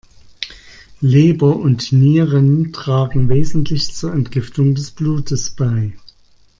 Leber und Nieren tragen wesentlich zur Entgiftung des Blutes bei.